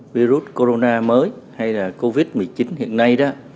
virus corona mới hay là covid một mươi chín hiện nay đó